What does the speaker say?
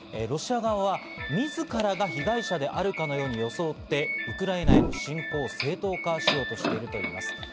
ロシア側はみずからが被害者であるかのように装ってウクライナへの侵攻を正当化しようとしているといいます。